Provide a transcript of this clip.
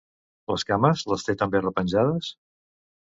Les cames les té també repenjades?